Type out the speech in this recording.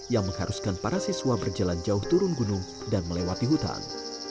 yang mengharuskan para siswa berjalan jauh turun gunung dan melewati hutan